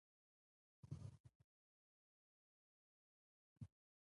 د مالدارۍ د څارویو روغتیا ساتنه د تولید د دوام لپاره اړینه ده.